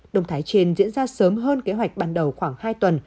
động thái trên diễn ra sớm hơn kế hoạch ban đầu khoảng hai tuần